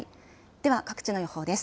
では、各地の予報です。